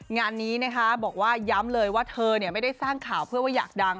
งานนี้นะคะบอกว่าย้ำเลยว่าเธอไม่ได้สร้างข่าวเพื่อว่าอยากดัง